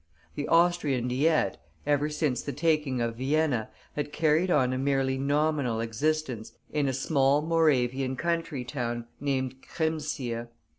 The Austrian Diet, ever since the taking of Vienna, had carried on a merely nominal existence in a small Moravian country town, named Kremsir.